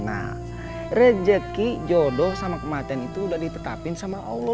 nah rezeki jodoh sama kematian itu udah ditetapin sama allah